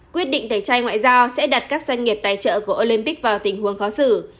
quyết định tẩy chay ngoại giao sẽ đặt các doanh nghiệp tài trợ của olympic vào tình huống khó xử